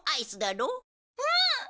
うん！